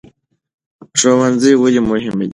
ښوونځی ولې مهم دی؟